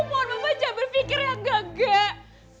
aku mohon mama jangan berpikir yang enggak enggak